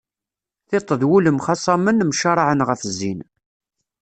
Tiṭ d wul mxaṣamen, mcaraɛen ɣef zzin.